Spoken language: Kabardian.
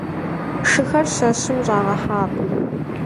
Шыхэр шэщым щӀагъэхьакъым.